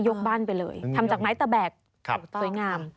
บ้านไปเลยทำจากไม้ตะแบกสวยงาม